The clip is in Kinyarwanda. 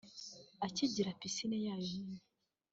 ikagira piscine yayo nini